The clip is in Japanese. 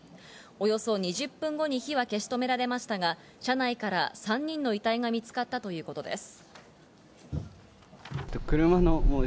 およそ２０分後に火は消し止められましたが車内から３人の遺体が見つかったということです。